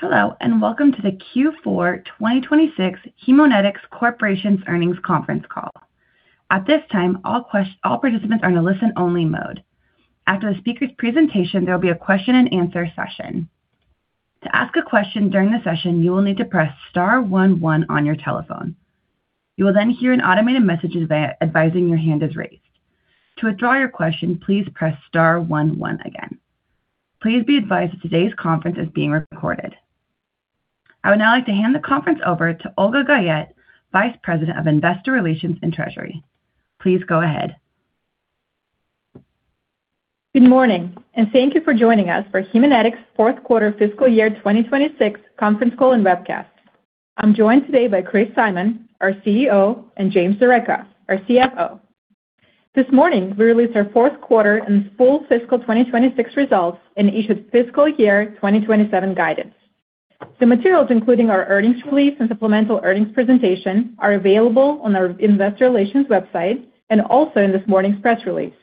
Hello, welcome to the Q4 2026 Haemonetics Corporation Earnings Conference Call. At this time, all participants are in a listen-only mode. After the speaker's presentation, there'll be a question and answer session. To ask a question during the session, you will need to press star one one on your telephone. You will hear an automated message advising your hand is raised. To withdraw your question, please press star one one again. Please be advised that today's conference is being recorded. I would now like to hand the conference over to Olga Guyette, Vice President of Investor Relations and Treasury. Please go ahead. Good morning, and thank you for joining us for Haemonetics' Q4 fiscal year 2026 conference call and webcast. I'm joined today by Christopher Simon, our CEO, and James D'Arecca, our CFO. This morning, we released our Q4 and full fiscal 2026 results and issued fiscal year 2027 guidance. The materials, including our earnings release and supplemental earnings presentation, are available on our investor relations website and also in this morning's press release.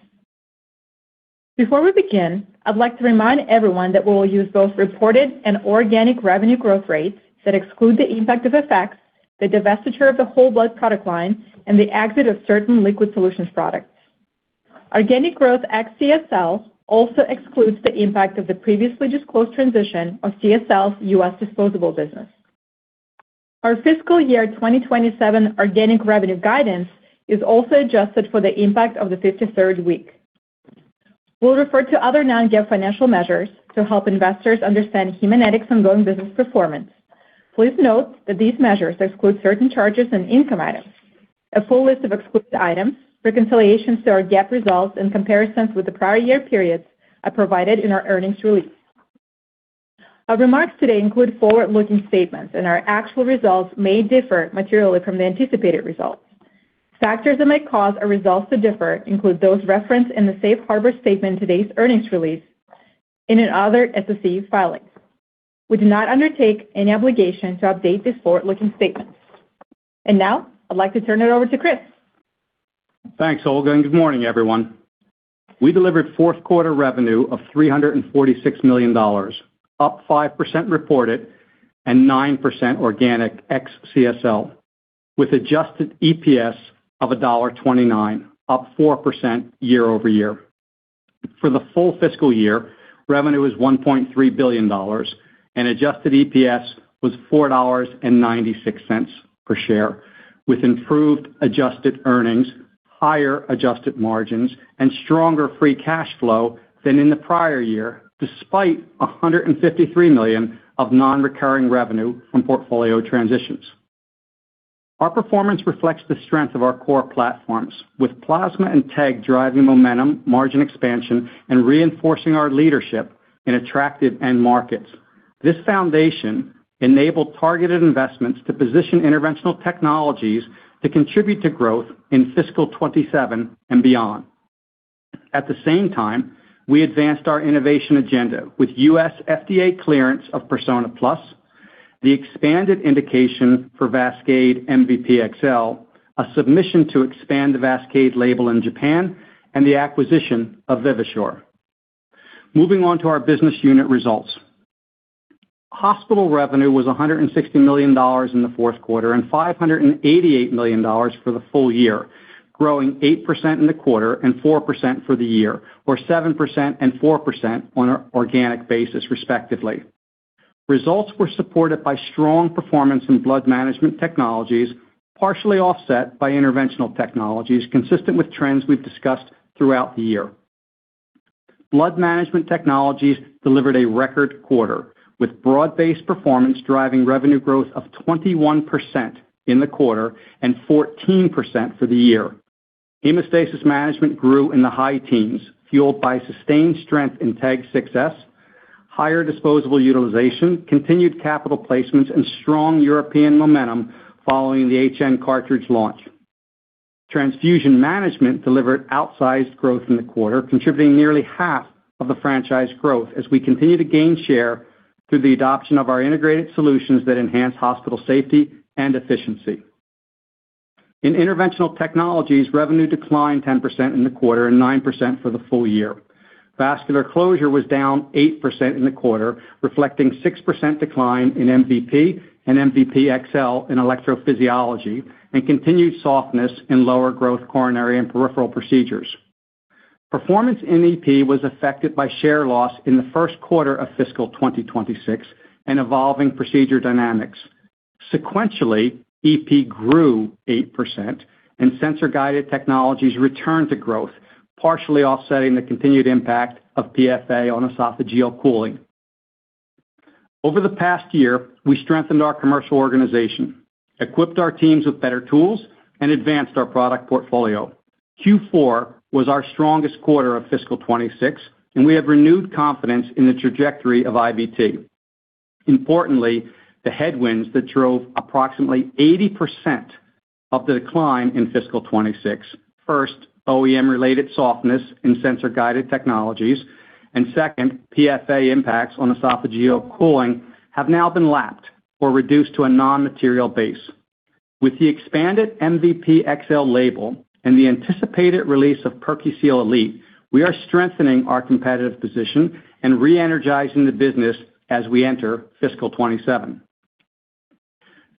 Before we begin, I'd like to remind everyone that we will use both reported and organic revenue growth rates that exclude the impact of FX, the divestiture of the whole blood product line, and the exit of certain liquid solutions products. Organic growth ex CSL also excludes the impact of the previously disclosed transition of CSL's U.S. disposable business. Our fiscal year 2027 organic revenue guidance is also adjusted for the impact of the 53rd week. We'll refer to other non-GAAP financial measures to help investors understand Haemonetics' ongoing business performance. Please note that these measures exclude certain charges and income items. A full list of excluded items, reconciliations to our GAAP results, and comparisons with the prior year periods are provided in our earnings release. Our remarks today include forward-looking statements and our actual results may differ materially from the anticipated results. Factors that might cause our results to differ include those referenced in the safe harbor statement in today's earnings release and in other SEC filings. We do not undertake any obligation to update these forward-looking statements. Now, I'd like to turn it over to Chris. Thanks, Olga. Good morning, everyone. We delivered Q4 revenue of $346 million, up 5% reported and 9% organic ex CSL, with adjusted EPS of $1.29, up 4% year-over-year. For the full fiscal year, revenue was $1.3 billion and adjusted EPS was $4.96 per share, with improved adjusted earnings, higher adjusted margins, and stronger free cash flow than in the prior year, despite $153 million of non-recurring revenue from portfolio transitions. Our performance reflects the strength of our core platforms, with Plasma and TEG driving momentum, margin expansion, and reinforcing our leadership in attractive end markets. This foundation enabled targeted investments to position Interventional Technologies to contribute to growth in fiscal 2027 and beyond. At the same time, we advanced our innovation agenda with U.S. FDA clearance of Persona PLUS, the expanded indication for VASCADE MVP XL, a submission to expand the VASCADE label in Japan, and the acquisition of Vivasure. Moving on to our business unit results. Hospital revenue was $160 million in the Q4 and $588 million for the full year, growing 8% in the quarter and 4% for the year, or 7% and 4% on an organic basis, respectively. Results were supported by strong performance in Blood Management Technologies, partially offset by Interventional Technologies, consistent with trends we've discussed throughout the year. Blood Management Technologies delivered a record quarter, with broad-based performance driving revenue growth of 21% in the quarter and 14% for the year. Hemostasis management grew in the high teens, fueled by sustained strength in TEG 6s, higher disposable utilization, continued capital placements, and strong European momentum following the HN cartridge launch. Transfusion management delivered outsized growth in the quarter, contributing nearly half of the franchise growth as we continue to gain share through the adoption of our integrated solutions that enhance Hospital safety and efficiency. In Interventional Technologies, revenue declined 10% in the quarter and 9% for the full year. Vascular closure was down 8% in the quarter, reflecting 6% decline in MVP and MVP XL in electrophysiology and continued softness in lower growth coronary and peripheral procedures. Performance in EP was affected by share loss in the Q1 of fiscal 2026 and evolving procedure dynamics. Sequentially, EP grew 8% and sensor-guided technologies returned to growth, partially offsetting the continued impact of PFA on esophageal cooling. Over the past year, we strengthened our commercial organization, equipped our teams with better tools, and advanced our product portfolio. Q4 was our strongest quarter of fiscal 2026, and we have renewed confidence in the trajectory of IVT. The headwinds that drove approximately 80% of the decline in fiscal 2026, first, OEM-related softness in sensor-guided technologies, and second, PFA impacts on esophageal cooling have now been lapped or reduced to a non-material base. With the expanded MVP XL label and the anticipated release of PerQseal Elite, we are strengthening our competitive position and re-energizing the business as we enter fiscal 2027.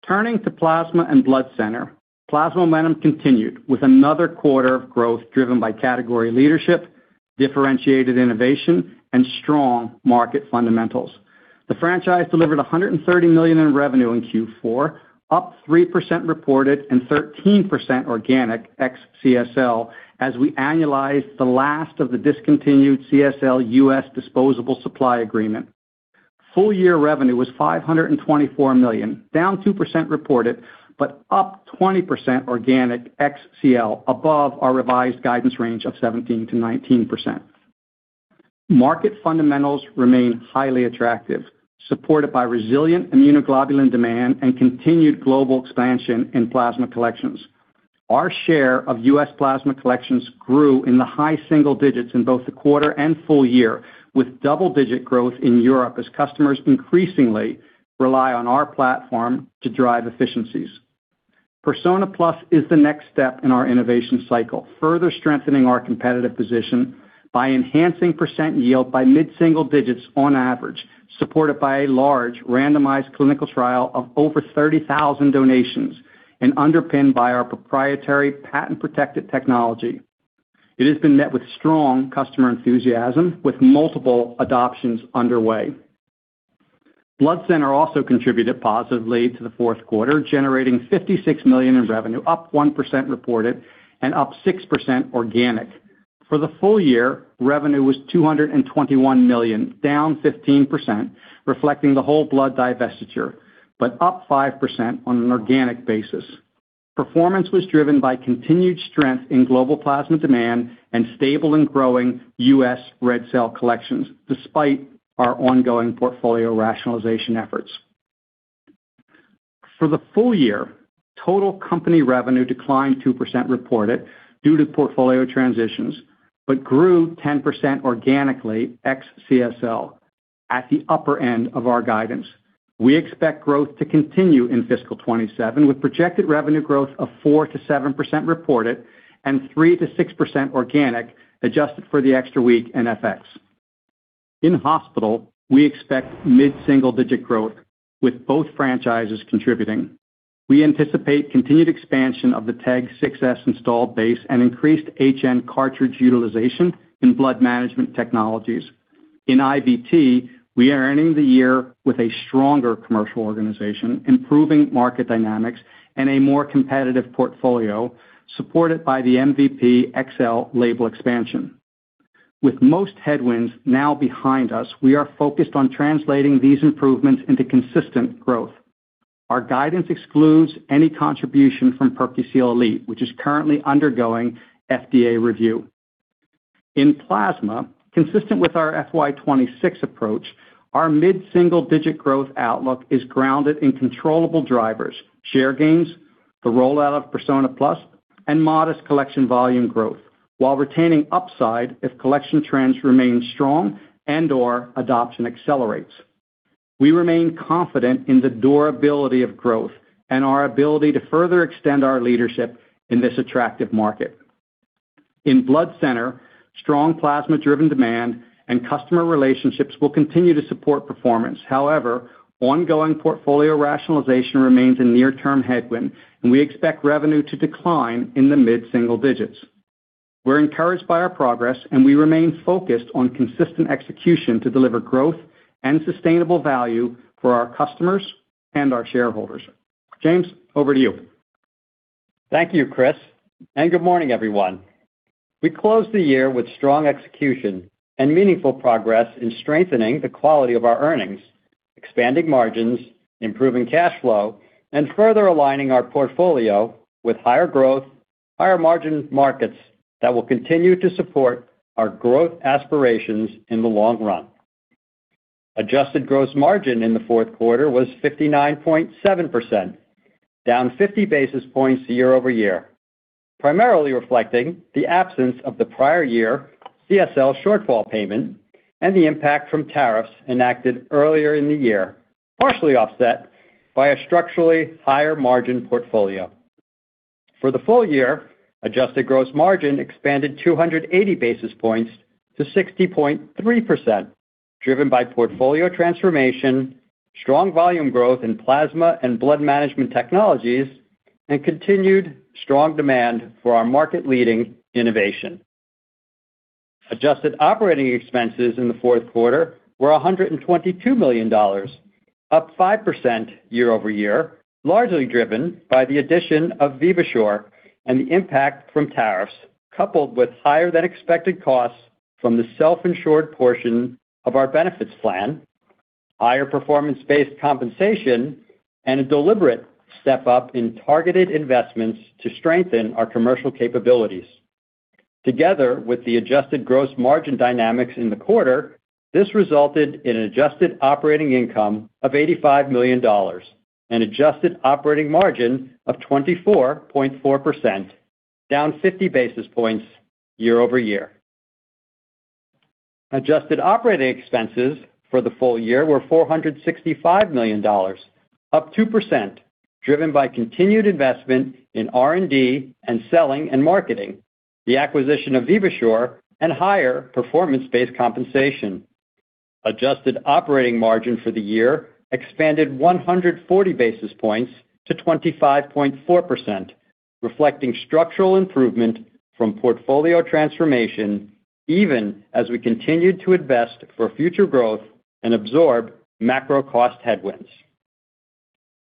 Turning to Plasma and Blood Center, Plasma momentum continued with another quarter of growth driven by category leadership, differentiated innovation, and strong market fundamentals. The franchise delivered $130 million in revenue in Q4, up 3% reported and 13% organic ex CSL as we annualized the last of the discontinued CSL U.S. disposable supply agreement. Full year revenue was $524 million, down 2% reported, up 20% organic ex CSL, above our revised guidance range of 17%-19%. Market fundamentals remain highly attractive, supported by resilient immunoglobulin demand and continued global expansion in Plasma collections. Our share of U.S. Plasma collections grew in the high single digits in both the quarter and full year, with double-digit growth in Europe as customers increasingly rely on our platform to drive efficiencies. Persona PLUS is the next step in our innovation cycle, further strengthening our competitive position by enhancing percent yield by mid-single digits on average, supported by a large randomized clinical trial of over 30,000 donations and underpinned by our proprietary patent-protected technology. It has been met with strong customer enthusiasm, with multiple adoptions underway. Blood Center also contributed positively to the Q4, generating $56 million in revenue, up 1% reported and up 6% organic. For the full year, revenue was $221 million, down 15%, reflecting the whole blood divestiture, but up 5% on an organic basis. Performance was driven by continued strength in global Plasma demand and stable and growing U.S. red cell collections, despite our ongoing portfolio rationalization efforts. For the full year, total company revenue declined 2% reported due to portfolio transitions that grew 10% organically ex CSL at the upper end of our guidance. We expect growth to continue in fiscal 2027 with projected revenue growth of 4%-7% reported and 3%-6% organic, adjusted for the extra week in FX. In Hospital, we expect mid-single-digit growth with both franchises contributing. We anticipate continued expansion of the TEG 6s installed base and increased HN cartridge utilization in Blood Management Technologies. In IVT, we are ending the year with a stronger commercial organization, improving market dynamics, and a more competitive portfolio supported by the VASCADE MVP XL label expansion. With most headwinds now behind us, we are focused on translating these improvements into consistent growth. Our guidance excludes any contribution from PerQseal Elite, which is currently undergoing FDA review. In Plasma, consistent with our FY 2026 approach, our mid-single-digit growth outlook is grounded in controllable drivers, share gains, the rollout of Persona PLUS, and modest collection volume growth while retaining upside if collection trends remain strong and or adoption accelerates. We remain confident in the durability of growth and our ability to further extend our leadership in this attractive market. In Blood Center, strong Plasma-driven demand and customer relationships will continue to support performance. However, ongoing portfolio rationalization remains a near-term headwind, and we expect revenue to decline in the mid-single digits. We're encouraged by our progress, and we remain focused on consistent execution to deliver growth and sustainable value for our customers and our shareholders. James, over to you. Thank you, Chris, and good morning, everyone. We closed the year with strong execution and meaningful progress in strengthening the quality of our earnings, expanding margins, improving cash flow, and further aligning our portfolio with higher growth, higher margin markets that will continue to support our growth aspirations in the long run. Adjusted gross margin in the Q4 was 59.7%, down 50 basis points year-over-year, primarily reflecting the absence of the prior year CSL shortfall payment and the impact from tariffs enacted earlier in the year, partially offset by a structurally higher margin portfolio. For the full year, adjusted gross margin expanded 280 basis points to 60.3%, driven by portfolio transformation, strong volume growth in Plasma and Blood Management Technologies, and continued strong demand for our market-leading innovation. Adjusted operating expenses in the Q4 were $122 million, up 5% year-over-year, largely driven by the addition of Vivasure and the impact from tariffs, coupled with higher-than-expected costs from the self-insured portion of our benefits plan, higher performance-based compensation, and a deliberate step-up in targeted investments to strengthen our commercial capabilities. Together with the adjusted gross margin dynamics in the quarter, this resulted in an adjusted operating income of $85 million and adjusted operating margin of 24.4%, down 50 basis points year-over-year. Adjusted operating expenses for the full year were $465 million, up 2%, driven by continued investment in R&D and selling and marketing, the acquisition of Vivasure, and higher performance-based compensation. Adjusted operating margin for the year expanded 140 basis points to 25.4%, reflecting structural improvement from portfolio transformation even as we continued to invest for future growth and absorb macro cost headwinds.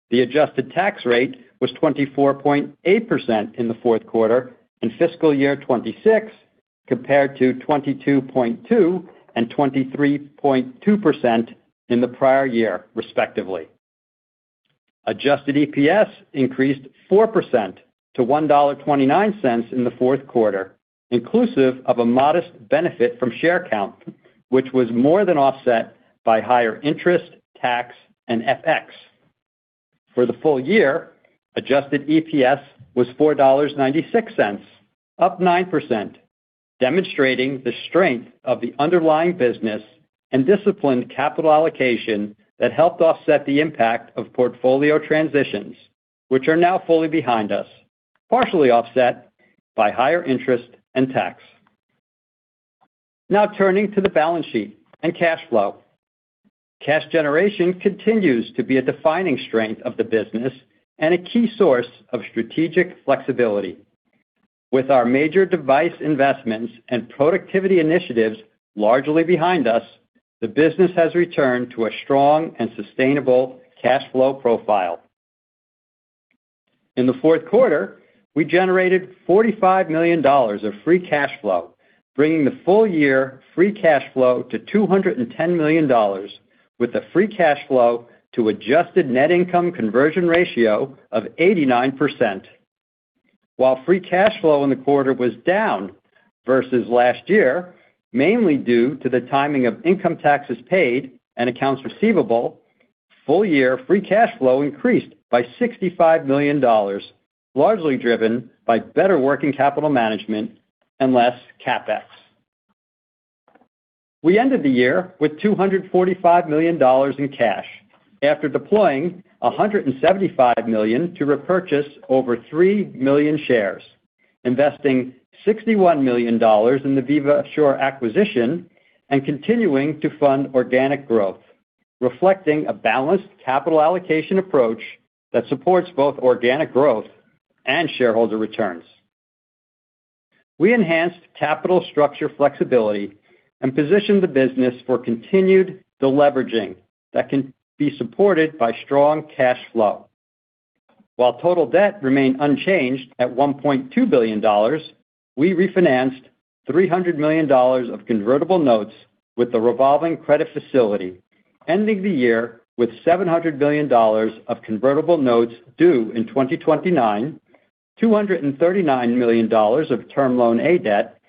The adjusted tax rate was 24.8% in the Q4 in fiscal year 2026, compared to 22.2% and 23.2% in the prior year, respectively. Adjusted EPS increased 4% to $1.29 in the Q4, inclusive of a modest benefit from share count, which was more than offset by higher interest, tax, and FX. For the full year, adjusted EPS was $4.96, up 9%, demonstrating the strength of the underlying business and disciplined capital allocation that helped offset the impact of portfolio transitions, which are now fully behind us, partially offset by higher interest and tax. Now turning to the balance sheet and cash flow. Cash generation continues to be a defining strength of the business and a key source of strategic flexibility. With our major device investments and productivity initiatives largely behind us, the business has returned to a strong and sustainable cash flow profile. In the Q4, we generated $45 million of free cash flow, bringing the full-year free cash flow to $210 million, with the free cash flow to adjusted net income conversion ratio of 89%. While free cash flow in the quarter was down versus last year, mainly due to the timing of income taxes paid and accounts receivable, full-year free cash flow increased by $65 million, largely driven by better working capital management and less CapEx. We ended the year with $245 million in cash after deploying $175 million to repurchase over 3 million shares, investing $61 million in the Vivasure acquisition, and continuing to fund organic growth, reflecting a balanced capital allocation approach that supports both organic growth and shareholder returns. We enhanced capital structure flexibility and positioned the business for continued deleveraging that can be supported by strong cash flow. While total debt remained unchanged at $1.2 billion, we refinanced $300 million of convertible notes with the revolving credit facility, ending the year with $700 million of convertible notes due in 2029, $239 million of Term Loan A debt,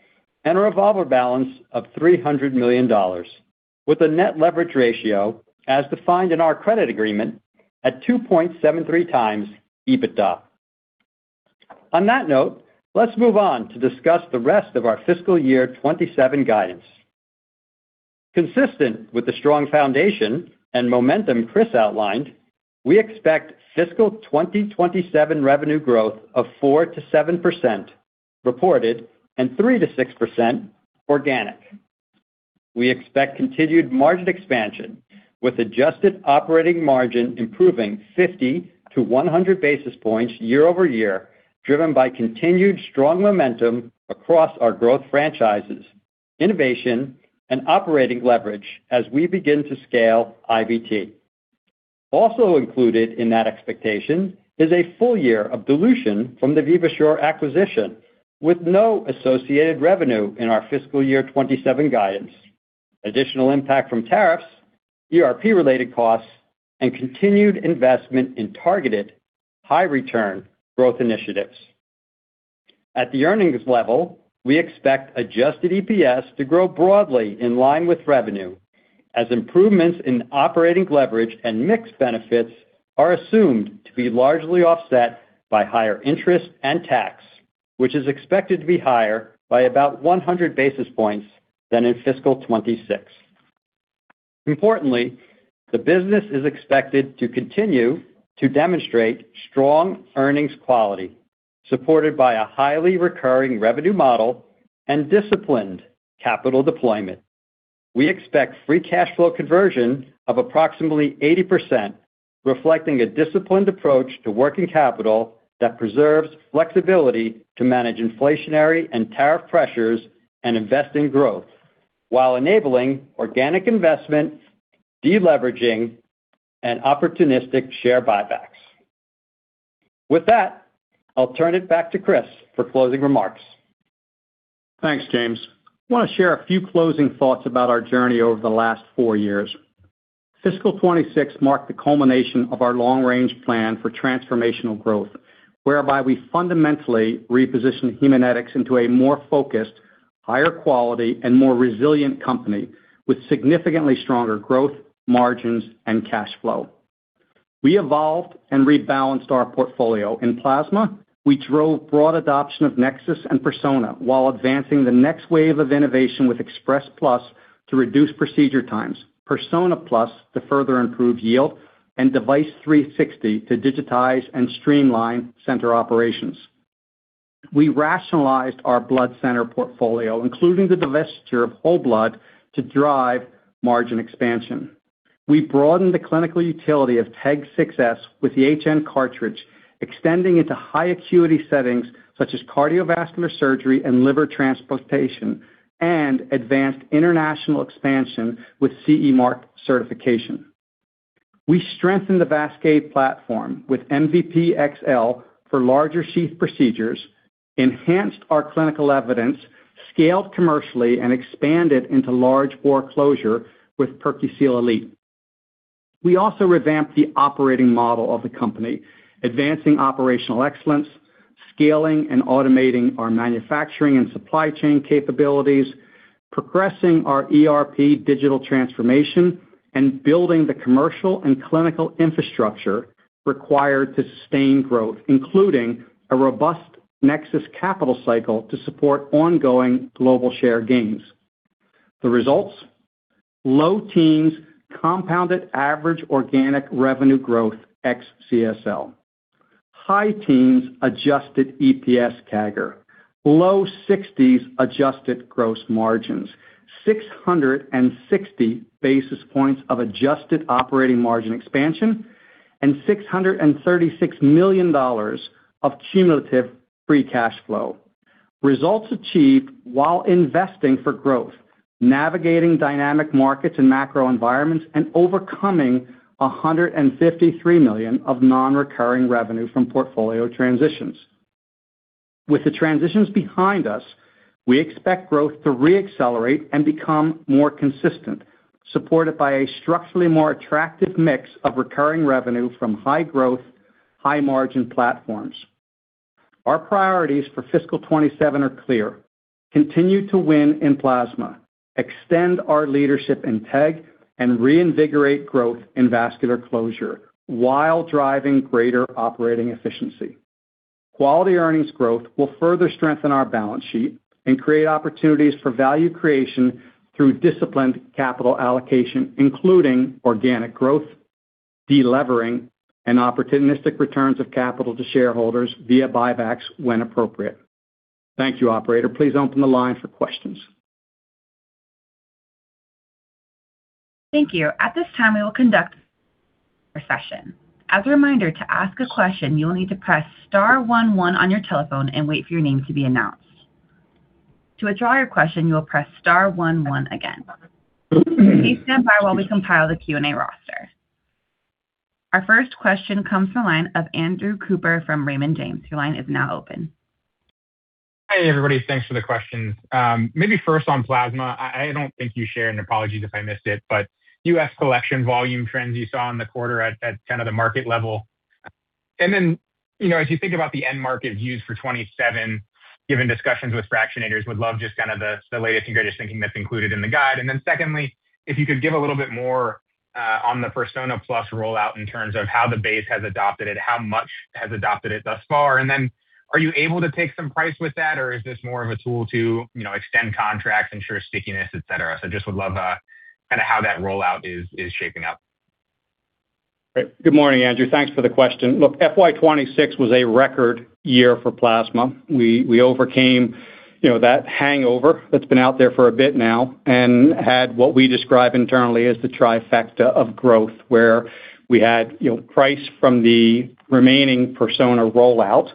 and a revolver balance of $300 million, with a net leverage ratio as defined in our credit agreement at 2.73x EBITDA. On that note, let's move on to discuss the rest of our fiscal year 2027 guidance. Consistent with the strong foundation and momentum Chris outlined, we expect fiscal 2027 revenue growth of 4%-7% reported and 3%-6% organic. We expect continued margin expansion with adjusted operating margin improving 50 to 100 basis points year-over-year, driven by continued strong momentum across our growth franchises, innovation, and operating leverage as we begin to scale IVT. Also included in that expectation is a full year of dilution from the Vivasure acquisition, with no associated revenue in our fiscal year 2027 guidance, additional impact from tariffs, ERP-related costs, and continued investment in targeted high-return growth initiatives. At the earnings level, we expect adjusted EPS to grow broadly in line with revenue, as improvements in operating leverage and mix benefits are assumed to be largely offset by higher interest and tax, which is expected to be higher by about 100 basis points than in fiscal 2026. Importantly, the business is expected to continue to demonstrate strong earnings quality, supported by a highly recurring revenue model and disciplined capital deployment. We expect free cash flow conversion of approximately 80%, reflecting a disciplined approach to working capital that preserves flexibility to manage inflationary and tariff pressures and invest in growth while enabling organic investment, deleveraging, and opportunistic share buybacks. With that, I'll turn it back to Chris for closing remarks. Thanks, James. I want to share a few closing thoughts about our journey over the last four years. Fiscal 2026 marked the culmination of our long-range plan for transformational growth, whereby we fundamentally repositioned Haemonetics into a more focused, higher quality, and more resilient company with significantly stronger growth, margins, and cash flow. We evolved and rebalanced our portfolio. In Plasma, we drove broad adoption of NexSys and Persona while advancing the next wave of innovation with Express Plus to reduce procedure times, Persona PLUS to further improve yield, and Device 360 to digitize and streamline center operations. We rationalized our Blood Center portfolio, including the divestiture of whole blood, to drive margin expansion. We broadened the clinical utility of TEG 6s with the HN cartridge, extending into high acuity settings such as cardiovascular surgery and liver transplantation, and advanced international expansion with CE mark certification. We strengthened the VASCADE platform with MVP XL for larger sheath procedures, enhanced our clinical evidence, scaled commercially, and expanded into large bore closure with PerQseal Elite. We also revamped the operating model of the company, advancing operational excellence, scaling and automating our manufacturing and supply chain capabilities, progressing our ERP digital transformation, and building the commercial and clinical infrastructure required to sustain growth, including a robust NexSys capital cycle to support ongoing global share gains. The results, low teens compounded average organic revenue growth ex CSL, high teens adjusted EPS CAGR, low 60s adjusted gross margins, 660 basis points of adjusted operating margin expansion, and $636 million of cumulative free cash flow. Results achieved while investing for growth, navigating dynamic markets and macro environments, and overcoming $153 million of non-recurring revenue from portfolio transitions. With the transitions behind us, we expect growth to re-accelerate and become more consistent, supported by a structurally more attractive mix of recurring revenue from high growth, high margin platforms. Our priorities for fiscal 2027 are clear. Continue to win in Plasma, extend our leadership in TEG, and reinvigorate growth in vascular closure while driving greater operating efficiency. Quality earnings growth will further strengthen our balance sheet and create opportunities for value creation through disciplined capital allocation, including organic growth, delevering, and opportunistic returns of capital to shareholders via buybacks when appropriate. Thank you, operator. Please open the line for questions. Thank you. At this time, we will conduct a question-and-answers session. As a reminder, to ask a question, you'll need to press star one one on your telephone and wait your name to be announced. To withdraw your question, you'll press star one one again. Please stand by while we compile the Q&A roster. Our first question comes from the line of Andrew Cooper from Raymond James. Your line is now open. Hey, everybody. Thanks for the questions. Maybe first on Plasma. I don't think you shared, and apologies if I missed it, but U.S. collection volume trends you saw in the quarter at kind of the market level. You know, as you think about the end market views for 2027, given discussions with fractionators, would love just kind of the latest and greatest thinking that's included in the guide. Secondly, if you could give a little bit more on the Persona PLUS rollout in terms of how the base has adopted it, how much has adopted it thus far. Are you able to take some price with that, or is this more of a tool to, you know, extend contracts, ensure stickiness, et cetera? So just would love kind of how that rollout is shaping up. Great. Good morning, Andrew. Thanks for the question. FY 2026 was a record year for Plasma. We overcame, you know, that hangover that's been out there for a bit now and had what we describe internally as the trifecta of growth, where we had, you know, price from the remaining Persona rollout.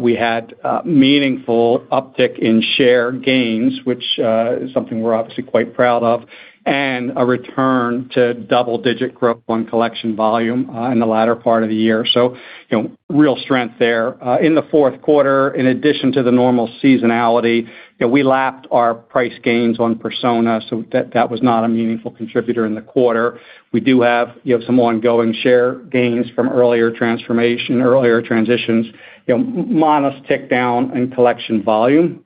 We had meaningful uptick in share gains, which is something we're obviously quite proud of, and a return to double-digit growth on collection volume in the latter part of the year. You know, real strength there. In the Q4, in addition to the normal seasonality, you know, we lapped our price gains on Persona, so that was not a meaningful contributor in the quarter. We do have, you know, some ongoing share gains from earlier transformation, earlier transitions. You know, modest tick down in collection volume.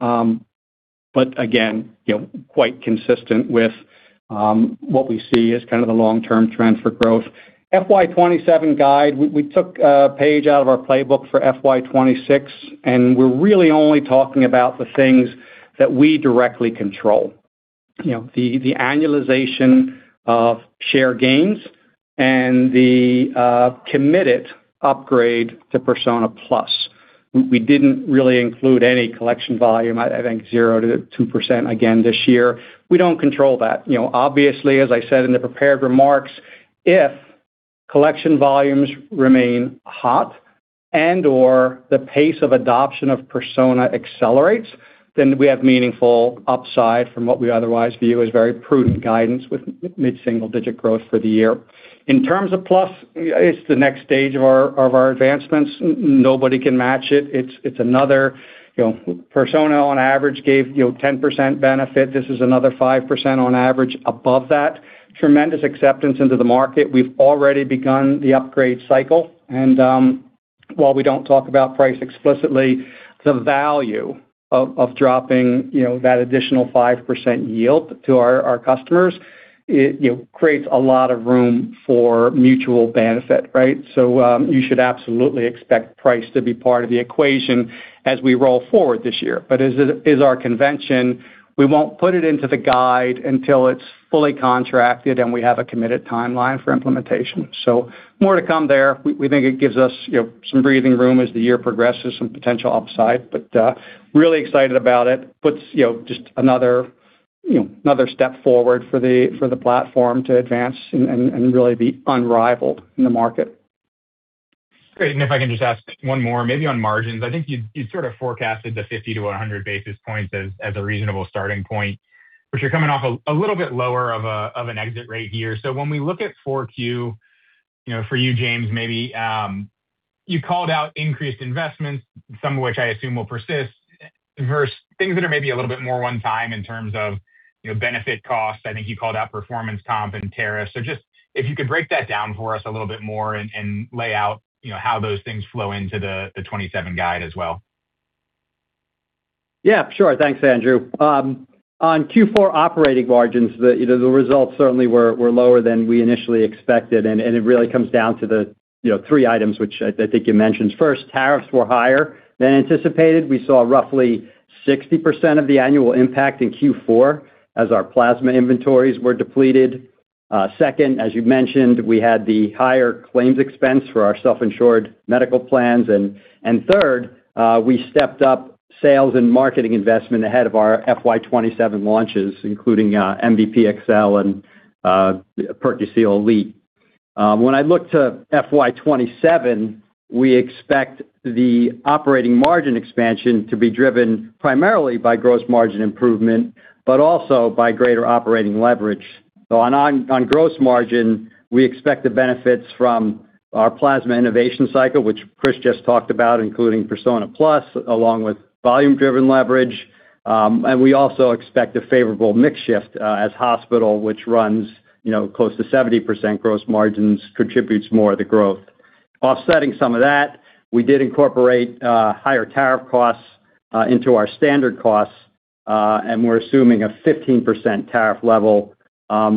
Again, you know, quite consistent with what we see as kind of the long-term trend for growth. FY 2027 guide, we took a page out of our playbook for FY 2026, we're really only talking about the things that we directly control. You know, the annualization of share gains and the committed upgrade to Persona PLUS. We didn't really include any collection volume, I think 0%-2% again this year. We don't control that. You know, obviously, as I said in the prepared remarks, if collection volumes remain hot and/or the pace of adoption of Persona accelerates, we have meaningful upside from what we otherwise view as very prudent guidance with mid-single digit growth for the year. In terms of PLUS, it's the next stage of our advancements. Nobody can match it. It's another, you know, Persona on average gave, you know, 10% benefit. This is another 5% on average above that. Tremendous acceptance into the market. We've already begun the upgrade cycle. While we don't talk about price explicitly, the value of dropping, you know, that additional 5% yield to our customers, it, you know, creates a lot of room for mutual benefit, right? You should absolutely expect price to be part of the equation as we roll forward this year. As it is our convention, we won't put it into the guide until it's fully contracted, and we have a committed timeline for implementation. More to come there. We think it gives us, you know, some breathing room as the year progresses, some potential upside, but really excited about it. Puts, you know, just another, you know, another step forward for the platform to advance and really be unrivaled in the market. Great. If I can just ask one more, maybe on margins. I think you sort of forecasted the 50 to 100 basis points as a reasonable starting point, but you're coming off a little bit lower of an exit rate here. When we look at 4Q, you know, for you, James, maybe, you called out increased investments, some of which I assume will persist versus things that are maybe a little bit more one time in terms of, you know, benefit costs. I think you called out performance comp and tariffs. Just if you could break that down for us a little bit more and lay out, you know, how those things flow into the 2027 guide as well. Yeah, sure. Thanks, Andrew. On Q4 operating margins, the results certainly were lower than we initially expected, and it really comes down to the three items, which I think you mentioned. First, tariffs were higher than anticipated. We saw roughly 60% of the annual impact in Q4 as our Plasma inventories were depleted. Second, as you mentioned, we had the higher claims expense for our self-insured medical plans. Third, we stepped up sales and marketing investment ahead of our FY 2027 launches, including MVP XL and PerQseal Elite. When I look to FY 2027, we expect the operating margin expansion to be driven primarily by gross margin improvement, but also by greater operating leverage. On gross margin, we expect the benefits from our Plasma innovation cycle, which Chris just talked about, including Persona PLUS, along with volume-driven leverage. And we also expect a favorable mix shift, as Hospital, which runs, you know, close to 70% gross margins, contributes more of the growth. Offsetting some of that, we did incorporate higher tariff costs into our standard costs, and we're assuming a 15% tariff level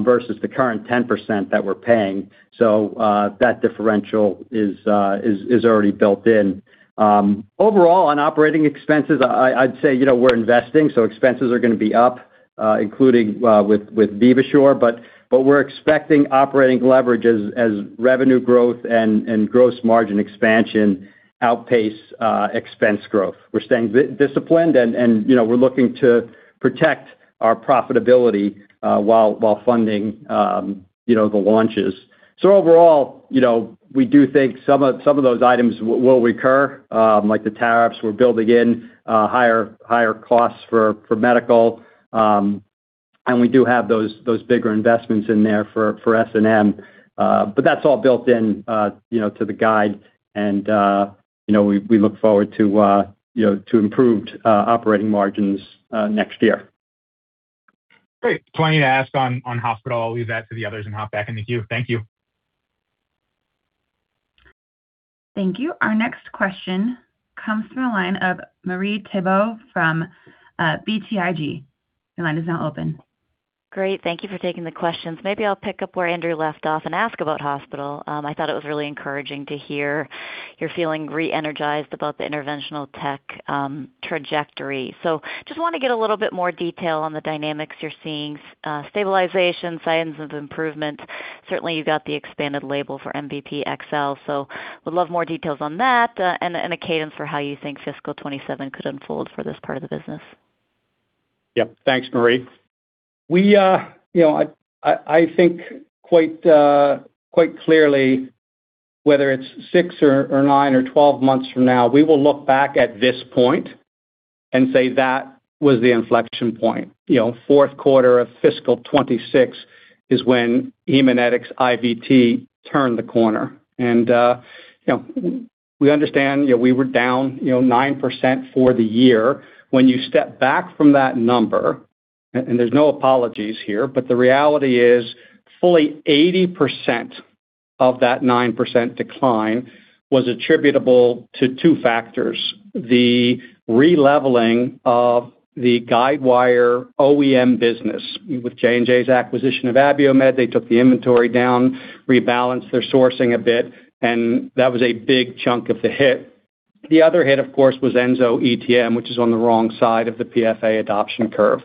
versus the current 10% that we're paying. That differential is already built in. Overall, on operating expenses, I'd say, you know, we're investing, so expenses are gonna be up, including with Vivasure. But we're expecting operating leverage as revenue growth and gross margin expansion outpace expense growth. We're staying disciplined and, you know, we're looking to protect our profitability while funding, you know, the launches. Overall, you know, we do think some of those items will recur, like the tariffs. We're building in higher costs for medical. We do have those bigger investments in there for S&M. That's all built in, you know, to the guide and, you know, we look forward to improved operating margins next year. Great. Plenty to ask on Hospital. I'll leave that to the others and hop back in the queue. Thank you. Thank you. Our next question comes from the line of Marie Thibault from BTIG. Your line is now open. Great. Thank you for taking the questions. Maybe I'll pick up where Andrew left off and ask about Hospital. I thought it was really encouraging to hear you're feeling re-energized about the interventional tech trajectory. Just wanna get a little bit more detail on the dynamics you're seeing, stabilization, signs of improvement. Certainly, you got the expanded label for MVP XL, so would love more details on that, and a cadence for how you think fiscal 2027 could unfold for this part of the business. Yep. Thanks, Marie. We, you know, I think quite clearly whether it's six or nine or 12 months from now, we will look back at this point and say that was the inflection point. You know, Q4 of fiscal 2026 is when Haemonetics IVT turned the corner. You know, we understand, you know, we were down, you know, 9% for the year. When you step back from that number, and there's no apologies here, but the reality is fully 80% of that 9% decline was attributable to two factors: the re-leveling of the guide wire OEM business. With J&J's acquisition of Abiomed, they took the inventory down, rebalanced their sourcing a bit, and that was a big chunk of the hit. The other hit, of course, was ensoETM, which is on the wrong side of the PFA adoption curve.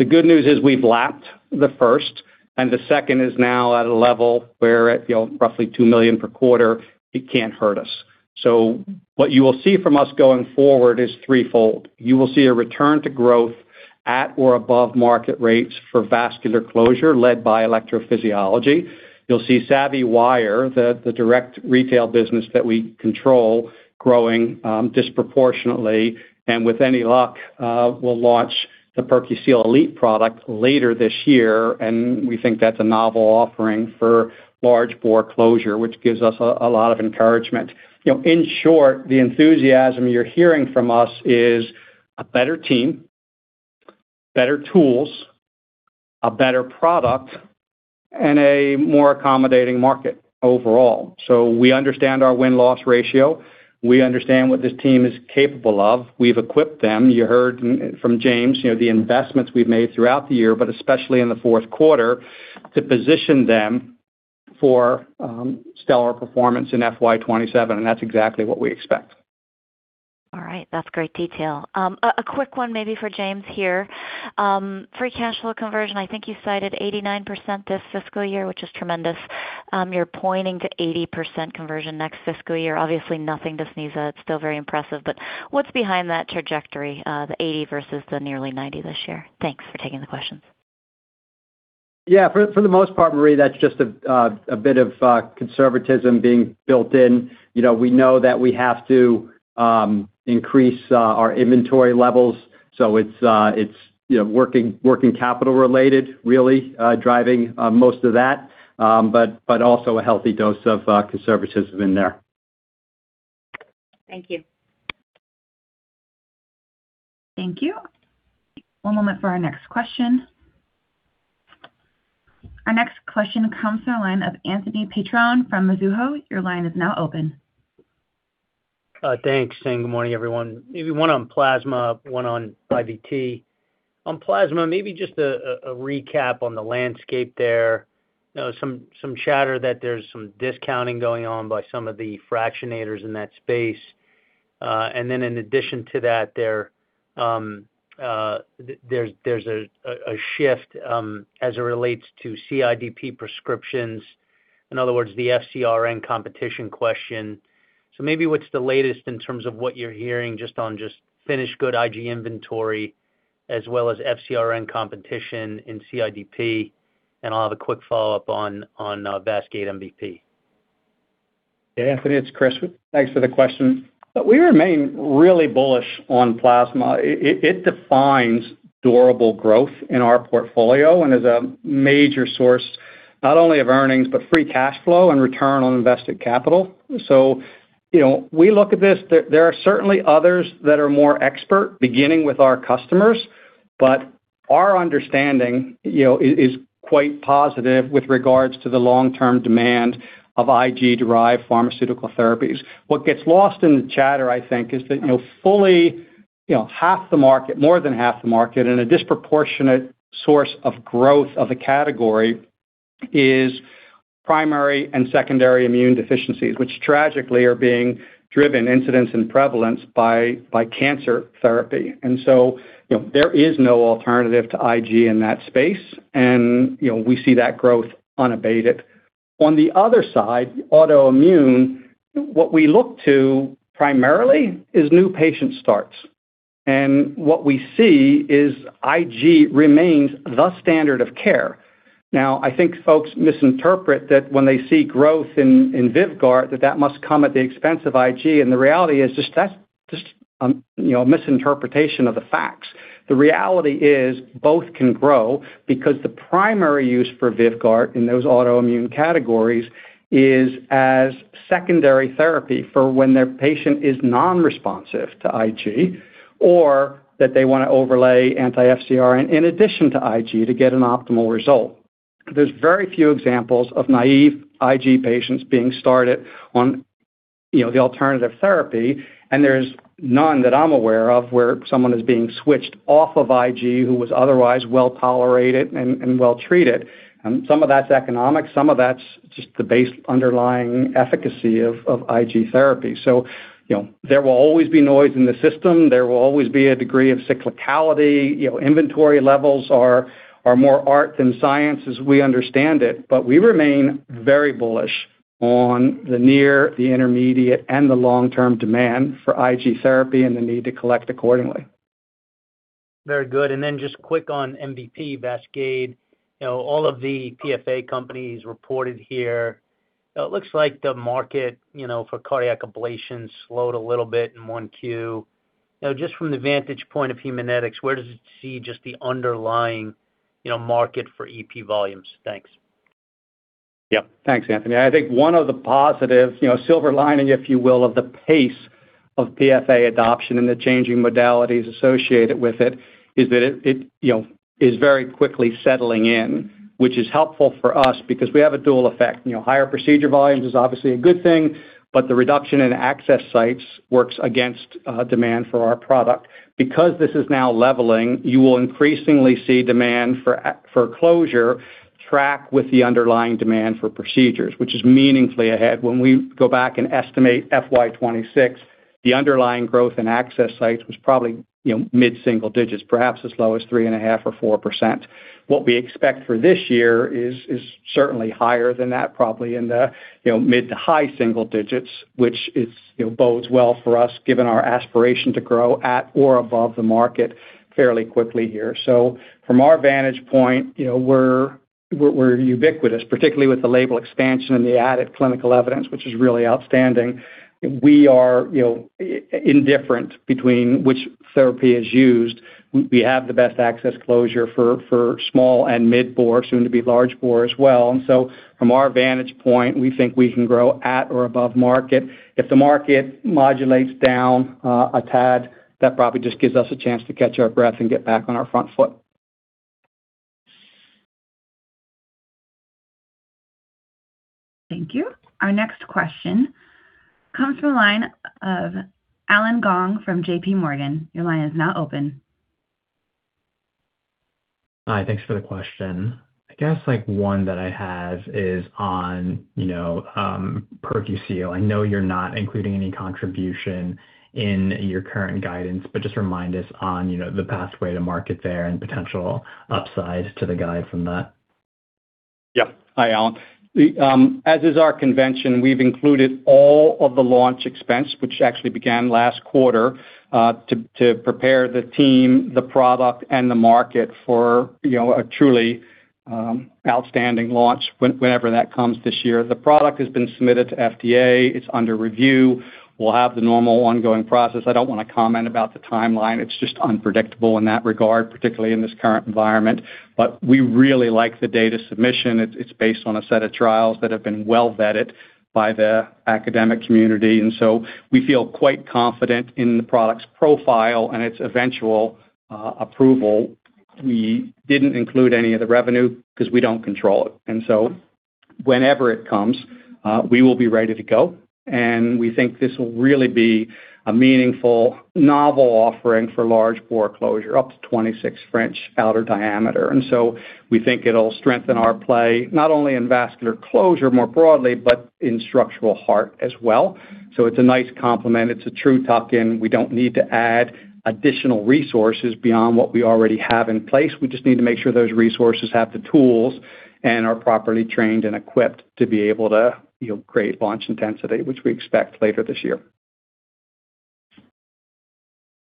The good news is we've lapped the first, and the second is now at a level where at, you know, roughly $2 million per quarter, it can't hurt us. What you will see from us going forward is threefold. You will see a return to growth at or above market rates for vascular closure, led by electrophysiology. You'll see SavvyWire, the direct retail business that we control, growing disproportionately. With any luck, we'll launch the PerQseal Elite product later this year, and we think that's a novel offering for large bore closure, which gives us a lot of encouragement. You know, in short, the enthusiasm you're hearing from us is a better team, better tools, a better product, and a more accommodating market overall. We understand our win-loss ratio. We understand what this team is capable of. We've equipped them. You heard from James, you know, the investments we've made throughout the year, but especially in the Q4, to position them for stellar performance in FY 2027, and that's exactly what we expect. All right. That's great detail. A quick one maybe for James here. Free cash flow conversion, I think you cited 89% this fiscal year, which is tremendous. You're pointing to 80% conversion next fiscal year. Obviously, nothing to sneeze at, still very impressive. What's behind that trajectory, the 80% versus the nearly 90% this year? Thanks for taking the questions. Yeah. For the most part, Marie, that's just a bit of conservatism being built in. You know, we know that we have to increase our inventory levels, so it's, you know, working capital related really, driving most of that. Also a healthy dose of conservatism in there. Thank you. Thank you. One moment for our next question. Our next question comes from the line of Anthony Petrone from Mizuho. Your line is now open. Thanks. Good morning, everyone. Maybe one on Plasma, one on IVT. On Plasma, maybe just a recap on the landscape there. You know, some chatter that there's some discounting going on by some of the fractionators in that space. Then in addition to that there's a shift as it relates to CIDP prescriptions, in other words, the FcRn competition question. What's the latest in terms of what you're hearing just on finished good IG inventory as well as FcRn competition in CIDP? I'll have a quick follow-up on VASCADE MVP. Yeah, Anthony, it's Christopher. Thanks for the question. We remain really bullish on Plasma. It defines durable growth in our portfolio and is a major source not only of earnings, but free cash flow and return on invested capital. You know, we look at this, there are certainly others that are more expert, beginning with our customers, but our understanding, you know, is quite positive with regards to the long-term demand of IG-derived pharmaceutical therapies. What gets lost in the chatter, I think, is that, you know, fully, you know, half the market, more than half the market and a disproportionate source of growth of the category is primary and secondary immune deficiencies, which tragically are being driven incidence and prevalence by cancer therapy. You know, there is no alternative to IG in that space and, you know, we see that growth unabated. On the other side, autoimmune, what we look to primarily is new patient starts. What we see is IG remains the standard of care. I think folks misinterpret that when they see growth in VYVGART, that that must come at the expense of IG, and the reality is just that's just, you know, a misinterpretation of the facts. The reality is both can grow because the primary use for VYVGART in those autoimmune categories is as secondary therapy for when their patient is non-responsive to IG or that they want to overlay anti-FcRn in addition to IG to get an optimal result. There's very few examples of naive IG patients being started on, you know, the alternative therapy, and there's none that I'm aware of where someone is being switched off of IG who was otherwise well-tolerated and well-treated. Some of that's economic, some of that's just the base underlying efficacy of IG therapy. You know, there will always be noise in the system. There will always be a degree of cyclicality. You know, inventory levels are more art than science as we understand it. We remain very bullish on the near, the intermediate, and the long-term demand for IG therapy and the need to collect accordingly. Very good. Just quick on MVP VASCADE. You know, all of the PFA companies reported here. It looks like the market, you know, for cardiac ablation slowed a little bit in 1Q. You know, just from the vantage point of Haemonetics, where does it see just the underlying, you know, market for EP volumes? Thanks. Yeah. Thanks, Anthony. I think one of the positives, you know, silver lining, if you will, of the pace of PFA adoption and the changing modalities associated with it is that it, you know, is very quickly settling in, which is helpful for us because we have a dual effect. You know, higher procedure volumes is obviously a good thing, but the reduction in access sites works against demand for our product. Because this is now leveling, you will increasingly see demand for closure track with the underlying demand for procedures, which is meaningfully ahead. When we go back and estimate FY 2026, the underlying growth in access sites was probably, you know, mid-single digits, perhaps as low as 3.5% or 4%. What we expect for this year is certainly higher than that, probably in the, you know, mid to high single digits, which is, you know, bodes well for us, given our aspiration to grow at or above the market fairly quickly here. From our vantage point, you know, we're ubiquitous, particularly with the label expansion and the added clinical evidence, which is really outstanding. We are, you know, indifferent between which therapy is used. We have the best access closure for small and mid-bore, soon to be large bore as well. From our vantage point, we think we can grow at or above market. If the market modulates down a tad, that probably just gives us a chance to catch our breath and get back on our front foot. Thank you. Our next question comes from the line of Alan Gong from JPMorgan. Your line is now open. Hi. Thanks for the question. I guess, like one that I have is on, you know, PerQseal. I know you're not including any contribution in your current guidance, but just remind us on, you know, the pathway to market there and potential upside to the guide from that. Yeah. Hi, Alan. As is our convention, we've included all of the launch expense, which actually began last quarter, to prepare the team, the product and the market for, you know, a truly outstanding launch whenever that comes this year. The product has been submitted to FDA. It's under review. We'll have the normal ongoing process. I don't want to comment about the timeline. It's just unpredictable in that regard, particularly in this current environment. We really like the data submission. It's based on a set of trials that have been well vetted by the academic community, we feel quite confident in the product's profile and its eventual approval. We didn't include any of the revenue because we don't control it. Whenever it comes, we will be ready to go. We think this will really be a meaningful novel offering for large-bore closure, up to 26 French outer diameter. We think it'll strengthen our play, not only in vascular closure more broadly, but in structural heart as well. It's a nice complement. It's a true tuck-in. We don't need to add additional resources beyond what we already have in place. We just need to make sure those resources have the tools and are properly trained and equipped to be able to, you know, create launch intensity, which we expect later this year.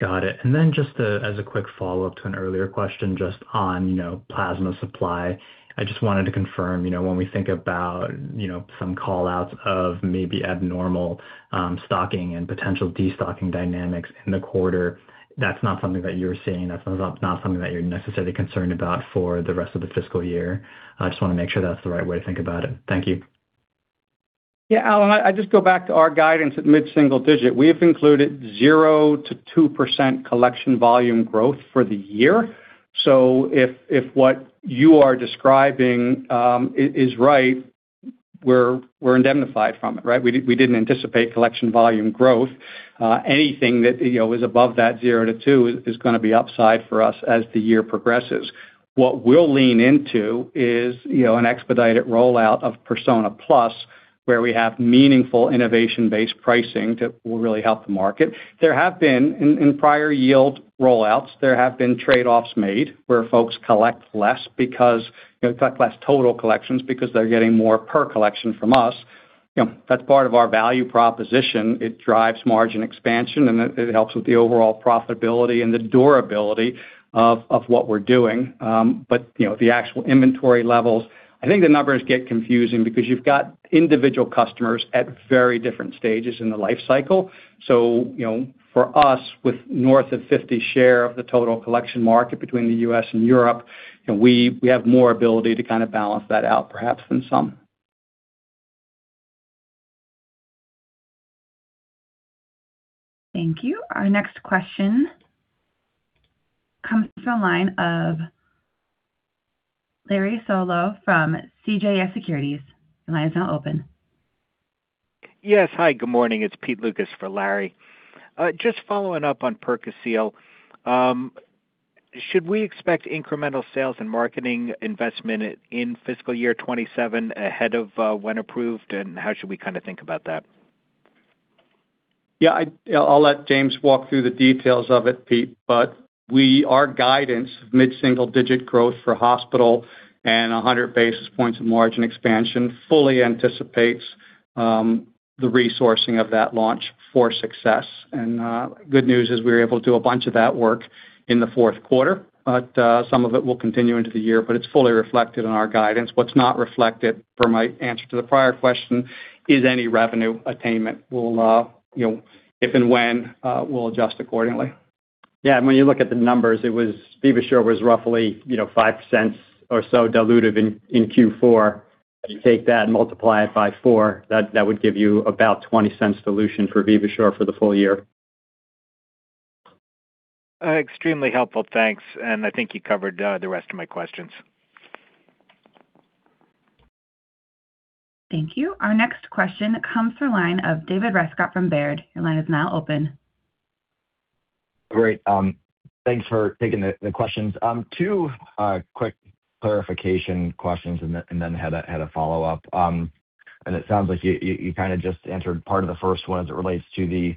Got it. Then just as a quick follow-up to an earlier question just on, you know, Plasma supply. I just wanted to confirm, you know, when we think about, you know, some call-outs of maybe abnormal stocking and potential destocking dynamics in the quarter, that's not something that you're seeing. That's not something that you're necessarily concerned about for the rest of the fiscal year. I just want to make sure that's the right way to think about it. Thank you. Yeah, Alan, I just go back to our guidance at mid-single digit. We have included 0%-2% collection volume growth for the year. If what you are describing is right, we're indemnified from it, right? We didn't anticipate collection volume growth. Anything that, you know, is above that 0%-2% is gonna be upside for us as the year progresses. What we'll lean into is, you know, an expedited rollout of Persona PLUS, where we have meaningful innovation-based pricing that will really help the market. There have been, in prior yield rollouts, there have been trade-offs made where folks collect less because, you know, collect less total collections because they're getting more per collection from us. You know, that's part of our value proposition. It drives margin expansion, and it helps with the overall profitability and the durability of what we're doing. You know, the actual inventory levels, I think the numbers get confusing because you've got individual customers at very different stages in the life cycle. You know, for us, with north of 50% share of the total collection market between the U.S. and Europe, you know, we have more ability to kind of balance that out perhaps than some. Thank you. Our next question comes from the line of Larry Solow from CJS Securities. The line is now open. Yes. Hi, good morning. It's Peter Lukas for Larry. Just following up on PerQseal. Should we expect incremental sales and marketing investment in fiscal year 2027 ahead of when approved, and how should we kind of think about that? Yeah, I'll let James walk through the details of it, Pete. Our guidance, mid-single-digit growth for Hospital and 100 basis points of margin expansion fully anticipates the resourcing of that launch for success. Good news is we were able to do a bunch of that work in the Q4, but some of it will continue into the year, but it's fully reflected in our guidance. What's not reflected per my answer to the prior question is any revenue attainment. We'll, you know, if and when, we'll adjust accordingly. When you look at the numbers, it was. Vivasure was roughly, you know, $0.05 or so dilutive in Q4. If you take that and multiply it by four, that would give you about $0.20 dilution for Vivasure for the full year. Extremely helpful. Thanks. I think you covered the rest of my questions. Thank you. Our next question comes from the line of David Rescott from Baird. Your line is now open. Great. Thanks for taking the questions. Two quick clarification questions and then had a follow-up. It sounds like you just answered part of the first one as it relates to the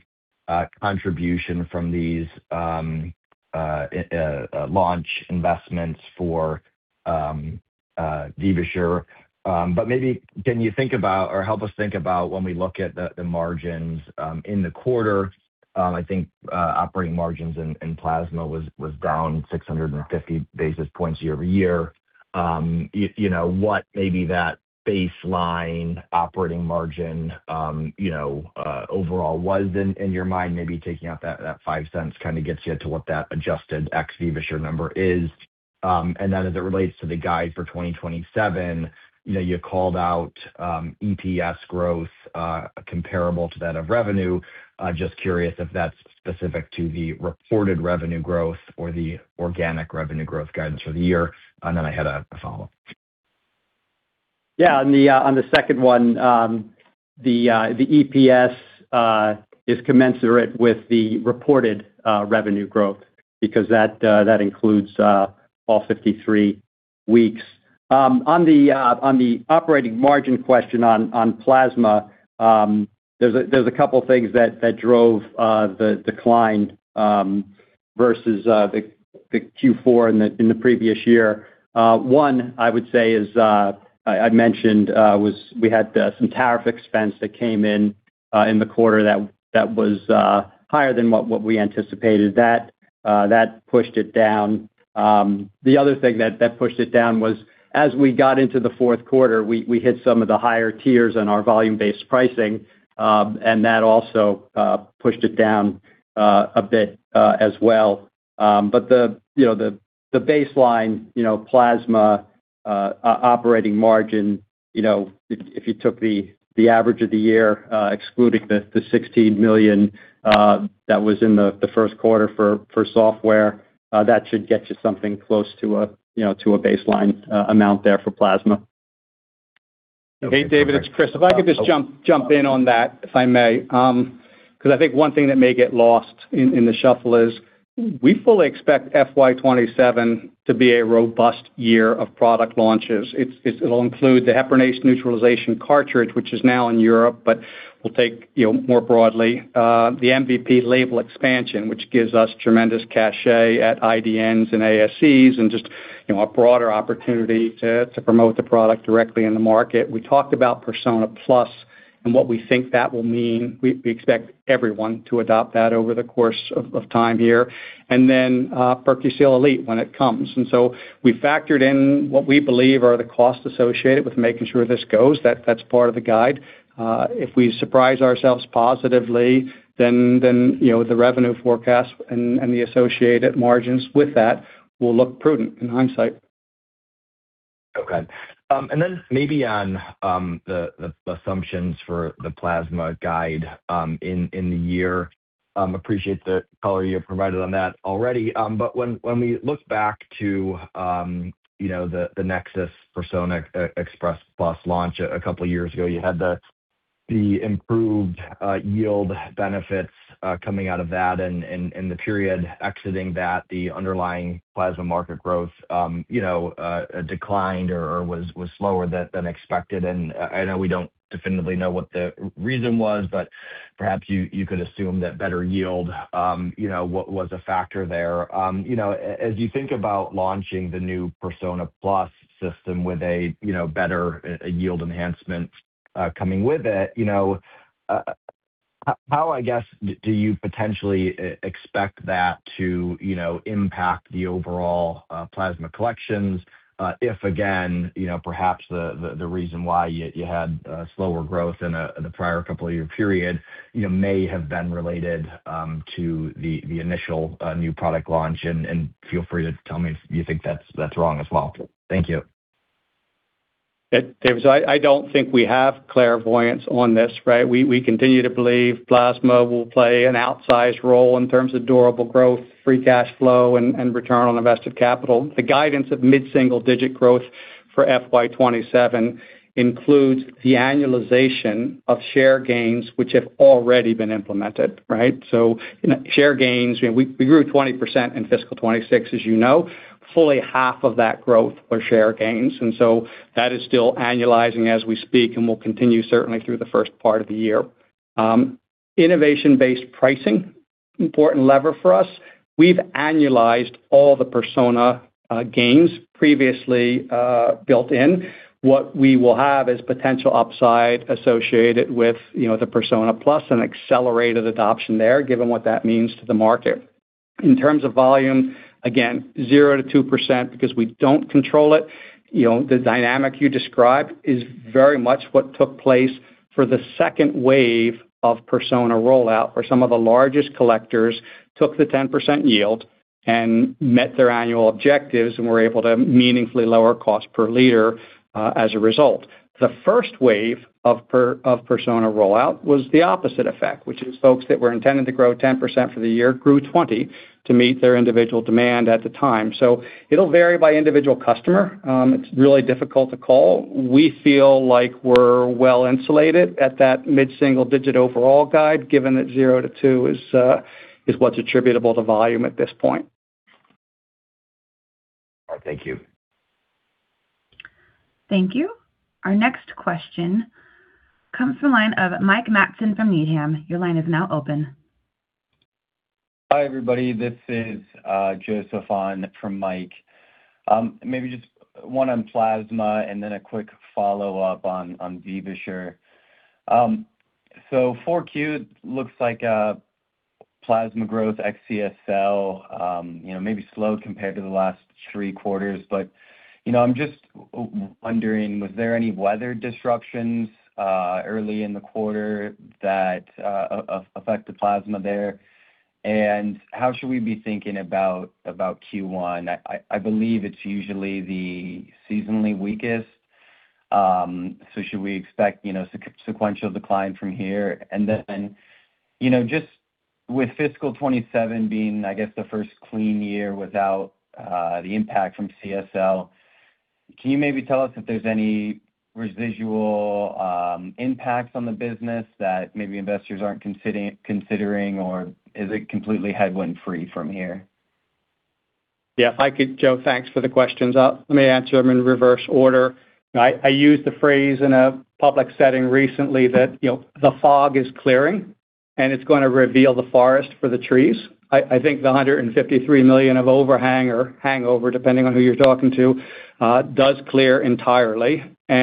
contribution from these launch investments for Vivasure. Can you think about or help us think about when we look at the margins in the quarter, operating margins in Plasma was down 650 basis points year-over-year. What maybe that baseline operating margin overall was in your mind, maybe taking out that $0.05 kind of gets you to what that adjusted ex Vivasure number is. As it relates to the guide for 2027, you know, you called out EPS growth comparable to that of revenue. Just curious if that's specific to the reported revenue growth or the organic revenue growth guidance for the year. I had a follow-up. On the second one, the EPS is commensurate with the reported revenue growth because that includes all 53 weeks. On the operating margin question on Plasma, there's a couple things that drove the decline versus the Q4 in the previous year. One, I would say is, I mentioned, was we had some tariff expense that came in in the quarter that was higher than what we anticipated. That pushed it down. The other thing that pushed it down was as we got into the Q4, we hit some of the higher tiers on our volume-based pricing, and that also pushed it down a bit as well. The, you know, the baseline, you know, Plasma operating margin, you know, if you took the average of the year, excluding the $16 million that was in the Q1 for software, that should get you something close to a, you know, to a baseline amount there for Plasma. Hey, David, it's Chris. If I could just jump in on that, if I may. Because I think one thing that may get lost in the shuffle is we fully expect FY 2027 to be a robust year of product launches. It'll include the heparinase neutralization cartridge, which is now in Europe, but we'll take, you know, more broadly, the MVP label expansion, which gives us tremendous cachet at IDNs and ASCs and just, you know, a broader opportunity to promote the product directly in the market. We talked about Persona PLUS and what we think that will mean. We expect everyone to adopt that over the course of time here. Then PerQseal Elite when it comes. We factored in what we believe are the costs associated with making sure this goes. That's part of the guide. If we surprise ourselves positively, you know, the revenue forecast and the associated margins with that will look prudent in hindsight. Okay. And then maybe on the assumptions for the Plasma guide in the year. Appreciate the color you have provided on that already. When we look back to, you know, the NexSys Persona Express Plus launch a couple years ago, you had the improved yield benefits coming out of that and the period exiting that the underlying Plasma market growth, you know, declined or was slower than expected. I know we don't definitively know what the reason was, but perhaps you could assume that better yield, you know, was a factor there. You know, as you think about launching the new Persona PLUS system with a, you know, better, a yield enhancement coming with it, you know, how, I guess, do you potentially expect that to, you know, impact the overall Plasma collections? If again, you know, perhaps the reason why you had slower growth in the prior couple year period, you know, may have been related to the initial new product launch. Feel free to tell me if you think that's wrong as well. Thank you. Yeah, David, I don't think we have clairvoyance on this, right? We continue to believe Plasma will play an outsized role in terms of durable growth, free cash flow, and return on invested capital. The guidance of mid-single-digit growth for FY 2027 includes the annualization of share gains which have already been implemented, right? You know, share gains, you know, we grew 20% in fiscal 2026, as you know. Fully half of that growth were share gains, and so that is still annualizing as we speak and will continue certainly through the first part of the year. Innovation-based pricing, important lever for us. We've annualized all the Persona gains previously built in. What we will have is potential upside associated with, you know, the Persona PLUS and accelerated adoption there, given what that means to the market. In terms of volume, again, 0%-2% because we don't control it. You know, the dynamic you describe is very much what took place for the second wave of Persona rollout, where some of the largest collectors took the 10% yield and met their annual objectives and were able to meaningfully lower cost per liter as a result. The first wave of Persona rollout was the opposite effect, which is folks that were intending to grow 10% for the year grew 20% to meet their individual demand at the time. It'll vary by individual customer. It's really difficult to call. We feel like we're well-insulated at that mid-single-digit overall guide, given that 0%-2% is what's attributable to volume at this point. All right, thank you. Thank you. Our next question comes from the line of Mike Matson from Needham. Your line is now open. Hi, everybody. This is Joseph on from Mike. Maybe just one on Plasma and then a quick follow-up on Vivasure. 4Q looks like Plasma growth ex CSL, you know, maybe slowed compared to the last three quarters, but, you know, I'm just wondering, was there any weather disruptions early in the quarter that affect the Plasma there? How should we be thinking about Q1? I believe it's usually the seasonally weakest. Should we expect, you know, sequential decline from here? You know, with fiscal 2027 being, I guess, the first clean year without the impact from CSL, can you maybe tell us if there's any residual impacts on the business that maybe investors aren't considering, or is it completely headwind-free from here? Yeah, if I could, Joe, thanks for the questions. Let me answer them in reverse order. I used the phrase in a public setting recently that, you know, the fog is clearing, and it's gonna reveal the forest for the trees. I think the $153 million of overhang or hangover, depending on who you're talking to, does clear entirely. You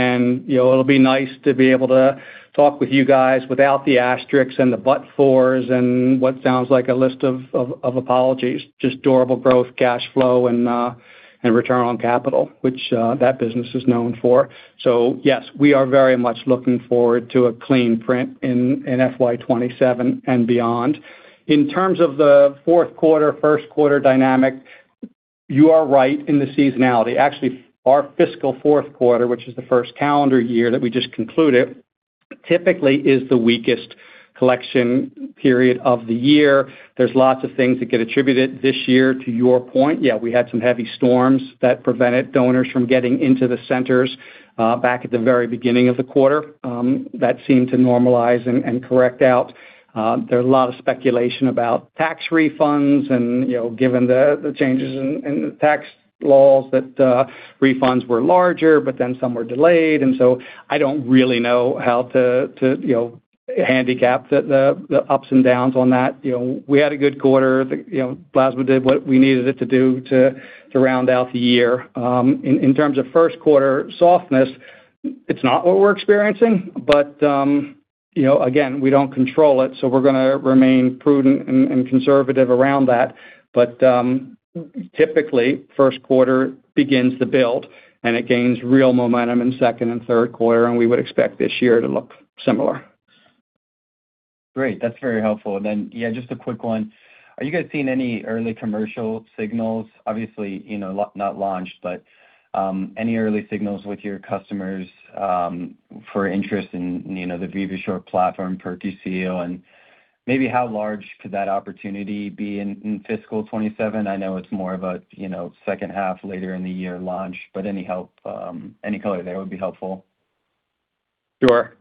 know, it'll be nice to be able to talk with you guys without the asterisks and the but fors and what sounds like a list of apologies, just durable growth, cash flow, and return on capital, which that business is known for. Yes, we are very much looking forward to a clean print in FY 2027 and beyond. In terms of the Q4, Q1 dynamic, you are right in the seasonality. Actually, our fiscal Q4, which is the first calendar year that we just concluded, typically is the weakest collection period of the year. There's lots of things that get attributed this year to your point. Yeah, we had some heavy storms that prevented donors from getting into the centers, back at the very beginning of the quarter. That seemed to normalize and correct out. There are a lot of speculation about tax refunds and, you know, given the changes in the tax laws that refunds were larger, but then some were delayed. I don't really know how to, you know, handicap the ups and downs on that. You know, we had a good quarter. The, you know, Plasma did what we needed it to do to round out the year. In terms of Q1 softness, it's not what we're experiencing. You know, again, we don't control it, so we're gonna remain prudent and conservative around that. Typically, Q1 begins the build, and it gains real momentum in Q2 and Q3, and we would expect this year to look similar. Great. That's very helpful. Then, yeah, just a quick one. Are you guys seeing any early commercial signals? Obviously, you know, not launched, but any early signals with your customers for interest in, you know, the Vivasure platform for TCAR? Maybe how large could that opportunity be in fiscal 2027? I know it's more of a, you know, second half later in the year launch, but any help, any color there would be helpful. Sure.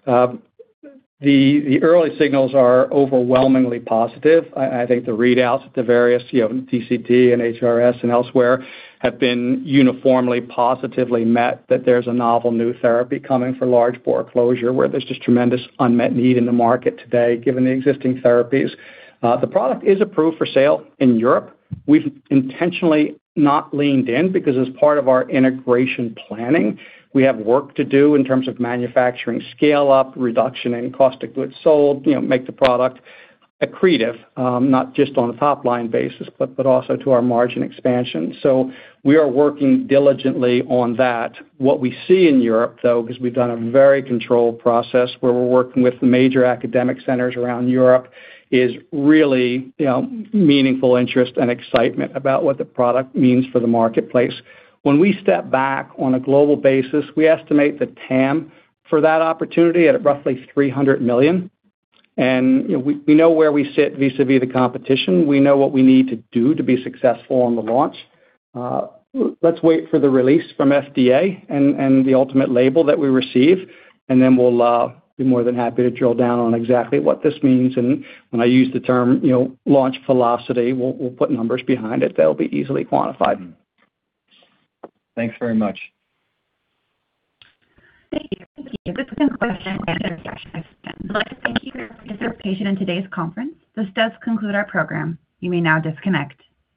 The early signals are overwhelmingly positive. I think the readouts at the various, you know, TCT and HRS and elsewhere have been uniformly positively met that there's a novel new therapy coming for large-bore closure, where there's just tremendous unmet need in the market today, given the existing therapies. The product is approved for sale in Europe. We've intentionally not leaned in because as part of our integration planning, we have work to do in terms of manufacturing scale-up, reduction in cost of goods sold, you know, make the product accretive, not just on a top-line basis, but also to our margin expansion. We are working diligently on that. What we see in Europe, though, because we've done a very controlled process where we're working with the major academic centers around Europe, is really, you know, meaningful interest and excitement about what the product means for the marketplace. When we step back on a global basis, we estimate the TAM for that opportunity at roughly $300 million. You know, we know where we sit vis-a-vis the competition. We know what we need to do to be successful on the launch. Let's wait for the release from FDA and the ultimate label that we receive, then we'll be more than happy to drill down on exactly what this means. When I use the term, you know, launch velocity, we'll put numbers behind it that'll be easily quantified. Thanks very much. Thank you. This concludes our question and answer session. I'd like to thank you for your participation in today's conference. This does conclude our program. You may now disconnect.